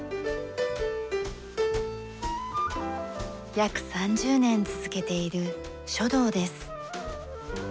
約３０年続けている書道です。